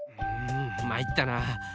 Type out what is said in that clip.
んまいったな。